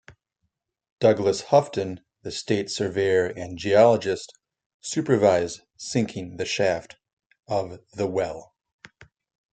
Douglass Houghton, the state surveyor and geologist, supervised sinking the shaft of the well.